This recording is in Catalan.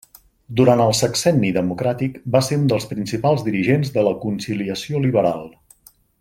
Durant el Sexenni Democràtic va ser un dels principals dirigents de la Conciliació Liberal.